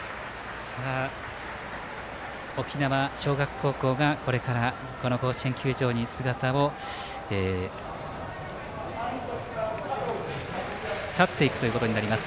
沖縄尚学高校がこれから甲子園球場から去っていくということになります。